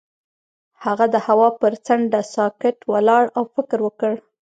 هغه د هوا پر څنډه ساکت ولاړ او فکر وکړ.